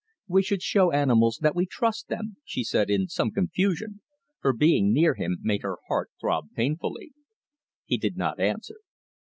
"We should show animals that we trust them," she said, in some confusion, for being near him made her heart throb painfully. He did not answer.